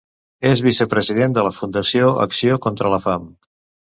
És vicepresident de la Fundació Acció contra la Fam.